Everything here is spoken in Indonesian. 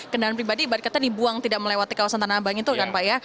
kendaraan pribadi ibaratnya dibuang tidak melewati kawasan tanah abang itu kan pak ya